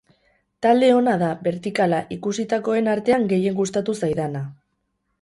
Talde ona da, bertikala, ikusitakoen artean gehien gustatu zaidana.